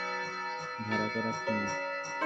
ভাড়া করা খুনি।